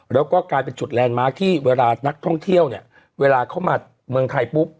แล้วก็กลายเป็นจุดแลนดมาร์คที่เวลานักท่องเที่ยวเนี่ยเวลาเข้ามาเมืองไทยปุ๊บ